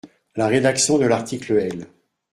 La rédaction de l’article L.